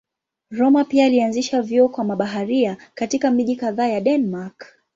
Rømer pia alianzisha vyuo kwa mabaharia katika miji kadhaa ya Denmark.